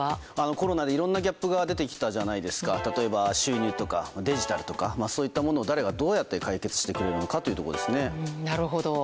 コロナでいろんなギャップが出てきたじゃないですか、例えば収入とか、デジタルとか、そういったものを誰がどうやって解決してくれるのかというところなるほど。